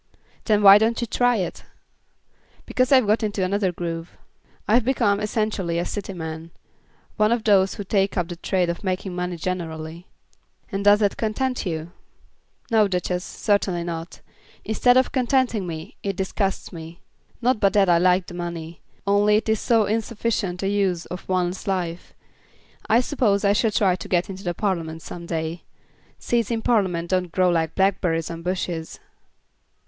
"Then why don't you try it?" "Because I've got into another groove. I've become essentially a city man, one of those who take up the trade of making money generally." "And does that content you?" "No, Duchess; certainly not. Instead of contenting me it disgusts me. Not but that I like the money, only it is so insufficient a use of one's life. I suppose I shall try to get into Parliament some day. Seats in Parliament don't grow like blackberries on bushes."